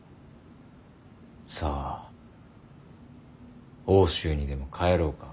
さあ奥州にでも帰ろうか。